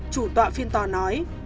chủ tọa phiên tòa nói